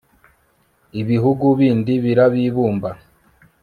ibihugu bindi birabibumba